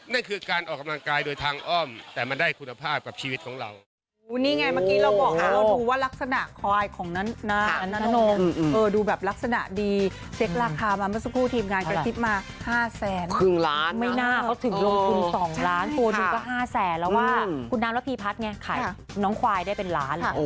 นั่นคือการออกกำลังกายโดยทางอ้อมแต่มันได้คุณภาพกับชีวิตของเรา